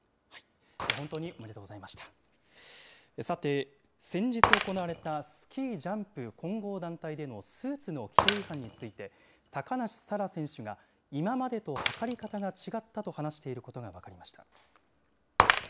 さて、先日行われたスキージャンプ混合団体でのスーツの規定違反について、高梨沙羅選手が、今までと測り方が違ったと話していることが分かりました。